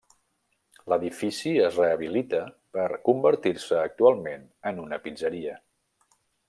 L’edifici es rehabilita per convertir-se actualment en una pizzeria.